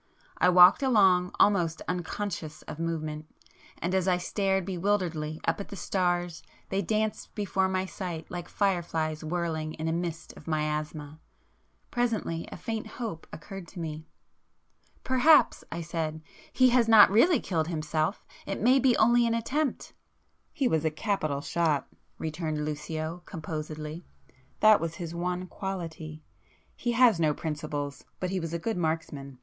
I walked along almost unconscious of movement, and as I stared bewilderedly up at the stars they danced before my sight like fireflies whirling in a mist of miasma. Presently a faint hope occurred to me. "Perhaps," I said, "he has not really killed himself? It may be only an attempt?" "He was a capital shot"—returned Lucio composedly,—"That [p 114] was his one quality. He has no principles,—but he was a good marksman.